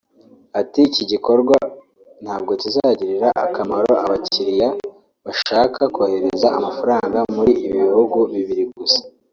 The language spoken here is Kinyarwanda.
ati “Iki gikorwa ntabwo kizagirira akamaro abakiriya bashaka kohereza amafaranga muri ibi bihugu bibiri gusa